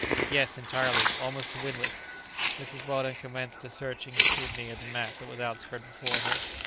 "Yes, entirely; almost to windward." Mrs. Weldon commenced a searching scrutiny of the map that was outspread before her.